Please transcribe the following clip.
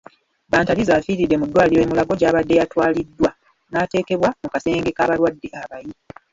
Bantariza afiridde mu ddwaliro e Mulago gy'abadde yatwaliddwa naateekebwa mu kasenge k'abalwadde abayi.